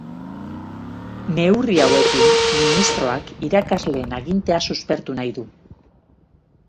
Neurri hauekin, ministroak irakasleen agintea suspertu nahi du.